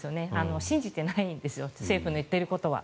信じてないんです政府の言っていることは。